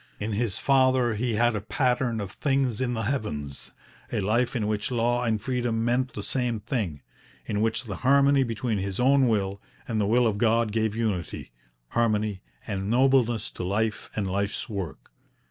In his father he had a pattern of things in the heavens; a life in which law and freedom meant the same thing; in which the harmony between his own will and the will of God gave unity, harmony, and nobleness to life and life's work.